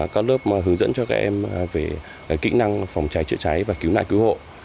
các lớp hướng dẫn cho các em về kỹ năng phòng cháy chữa cháy và cứu nạn cứu hộ